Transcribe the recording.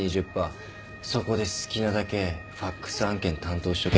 そこで好きなだけファクス案件担当しとけ。